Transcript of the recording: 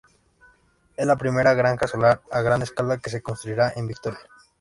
Es la primera granja solar a gran escala que se construirá en Victoria.